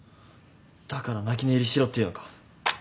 だから泣き寝入りしろっていうのか。